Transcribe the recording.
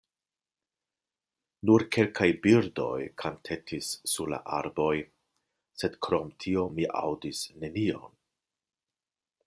Nur kelkaj birdoj kantetis sur la arboj, sed krom tio mi aŭdis nenion.